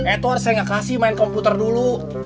eto'er saya nggak kasih main komputer dulu